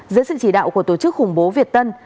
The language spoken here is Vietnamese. dưới sự chỉ đạo của tổ chức khủng bố việt tân